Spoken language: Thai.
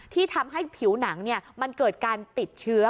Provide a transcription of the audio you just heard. ที่ทำให้ผิวหนังมันเกิดการติดเชื้อ